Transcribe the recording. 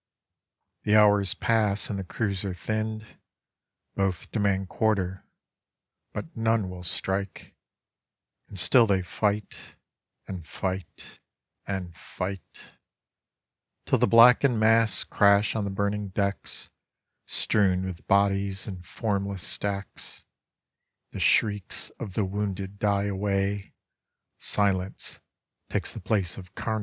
The hours pass, and the crews are thinned, Both demand quarter "but none will strike, And still they fight and fight and fight Till the blackened masts crash on the burning decks, Strewn with bodies in fonnless stacks. The shrieks of the wounded die away, Silence takes the place of carr.